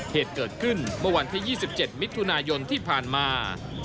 เหตุเกิดขึ้นเมื่อวันที่๒๗มิถุนายนที่ผ่านมา